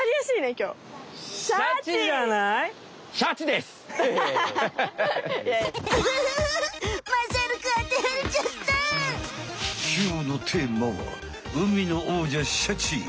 きょうのテーマは海の王者シャチ。